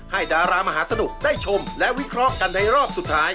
ดารามหาสนุกได้ชมและวิเคราะห์กันในรอบสุดท้าย